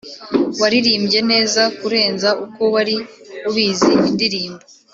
waririmbye neza kurenza uko wari ubizi; indirimbo